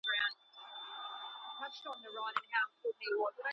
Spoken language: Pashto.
ولي کوښښ کوونکی د ذهین سړي په پرتله ښه ځلېږي؟